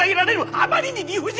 あまりに理不尽！